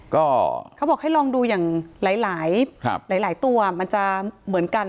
ก็เขาบอกให้ลองดูอย่างหลายหลายครับหลายหลายตัวมันจะเหมือนกัน